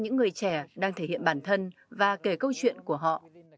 những người trẻ đang thể hiện bản thân và kể câu chuyện của họ